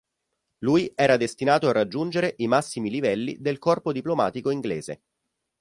Lui era destinato a raggiungere i massimi livelli del corpo diplomatico inglese.